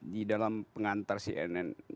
di dalam pengantar cnn